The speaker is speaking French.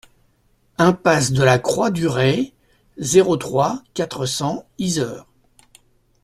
Impasse de la Croix du Retz, zéro trois, quatre cents Yzeure